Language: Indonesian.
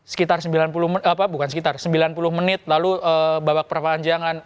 sekitar bukan sekitar sembilan puluh menit lalu babak perpanjangan